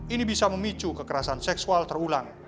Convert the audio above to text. ini bisa memicu kekerasan seksual terulang